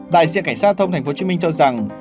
đại diện cảnh sát thông tp hcm cho rằng